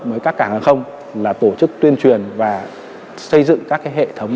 với các cảng hàng không là tổ chức tuyên truyền và xây dựng các hệ thống